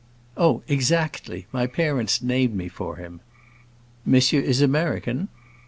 "Oh, exactly; my parents named me for him." "Monsieur is American?"